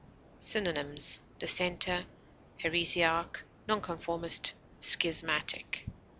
Synonyms: dissenter, heresiarch, non conformist, schismatic.